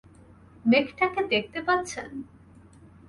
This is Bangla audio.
মেঘটা দেখতে পাচ্ছেন?